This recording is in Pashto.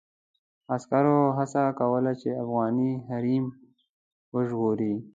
عسکرو هڅه کوله چې افغاني حريم وژغوري.